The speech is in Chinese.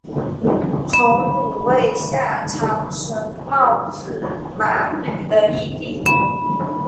从五位下长岑茂智麻吕的义弟。